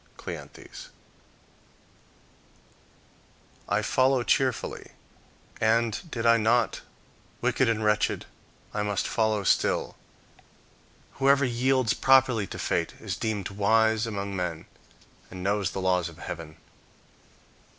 Cleanthes "I follow cheerfully; and, did I not, Wicked and wretched, I must follow still Whoever yields properly to Fate, is deemed Wise among men, and knows the laws of heaven."